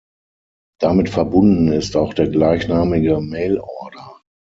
Damit verbunden ist auch der gleichnamige Mailorder.